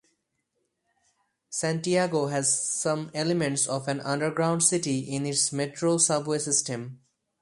Santiago has some elements of an underground city in its "Metro" subway system.